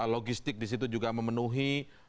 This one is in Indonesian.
logistik di situ juga memenuhi